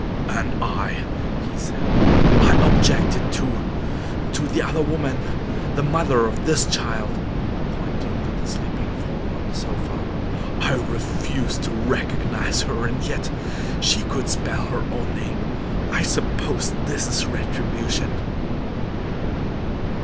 "And I," he said, "I objected to to the other woman, the mother of this child" (pointing to the sleeping form on the sofa); "I refused to recognize her. And yet she could spell her own name. I suppose this is retribution."